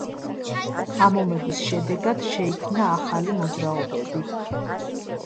ამ ომების შედეგად შეიქმნა ახალი მოძრაობები.